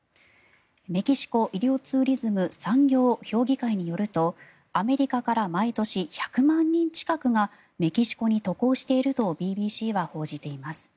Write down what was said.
メキシコ医療ツーリズム産業評議会によるとアメリカから毎年１００万人近くがメキシコに渡航しているとＢＢＣは報じています。